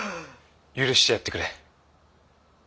許してやってくれ。